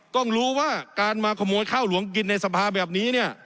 ต้องรู้ว่าการมาขโมยข้าวหลวงกินในสภาแบบนี้เนี่ย